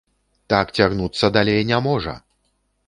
Так цягнуцца далей не можа!